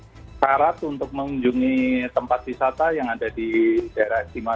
jadi saya harap untuk mengunjungi tempat wisata yang ada di daerah istimewa